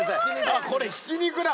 あっこれひき肉だ。